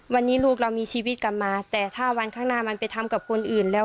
วันนี้ลูกเรามีชีวิตกลับมาแต่ถ้าวันข้างหน้ามันไปทำกับคนอื่นแล้ว